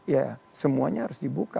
ya semuanya harus dibuka